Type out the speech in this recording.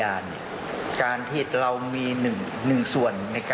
มันมีโอกาสเกิดอุบัติเหตุได้นะครับ